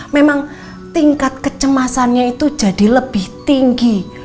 memang tingkat kecemasannya itu jadi lebih tinggi